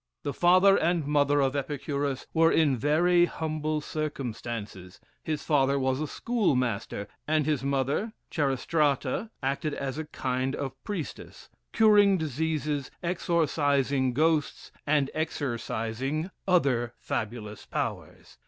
The father and mother of Epicurus were in very humble circumstances; his father was a schoolmaster, and his mother, Chærestrata, acted as a kind of priestess, curing diseases, exorcising ghosts, and exercising other fabulous powers.